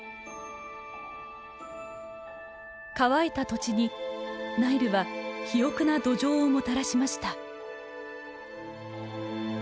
乾いた土地にナイルは肥沃な土壌をもたらしました。